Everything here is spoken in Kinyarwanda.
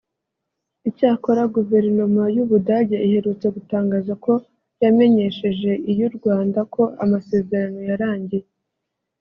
Icyakora guverinoma y’u Budage iherutse gutangaza ko yamenyesheje iy’u Rwanda ko amasezerano yarangiye